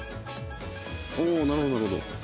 おおなるほどなるほど。